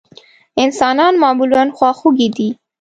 انسانان معمولا خواخوږي دي.